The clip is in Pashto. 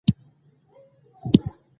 دوی پوهېږي چې خلک ورسره څه کوي.